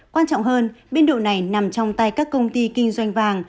quan trọng hơn biên độ này nằm trong tay các công ty kinh doanh vàng